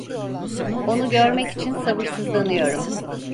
Onu görmek için sabırsızlanıyorum.